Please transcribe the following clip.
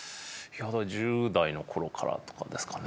１０代の頃からとかですかね。